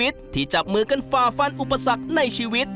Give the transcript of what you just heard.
ที่จับมือกันฝ่าฟันอุปสรรคในชีวิต